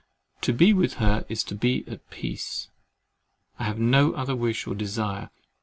To be with her is to be at peace. I have no other wish or desire.